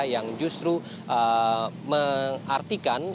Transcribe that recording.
yang justru mengartikan